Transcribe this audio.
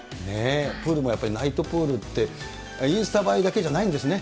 プールもやっぱりナイトプールって、インスタ映えだけじゃないんですね。